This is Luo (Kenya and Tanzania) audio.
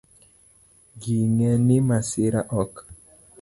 Ging'e ni masira ok